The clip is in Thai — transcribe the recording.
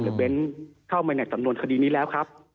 เบ้นเข้ามาในสำนวนคดีนี้แล้วครับ